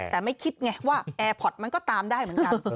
แต่ไม่คิดไงว่าแอร์พอร์ตมันก็ตามได้เหมือนกัน